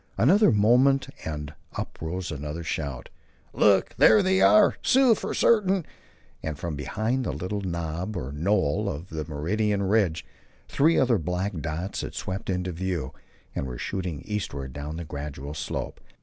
Another moment and up rose another shout. "Look!" "There they are!" "Sioux for certain!" And from behind a little knob or knoll on the meridian ridge three other black dots had swept into view and were shooting eastward down the gradual slope.